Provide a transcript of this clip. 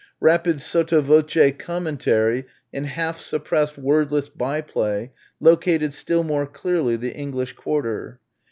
Rapid sotto voce commentary and half suppressed wordless by play located still more clearly the English quarter.